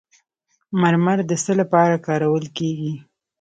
مرمر د څه لپاره کارول کیږي؟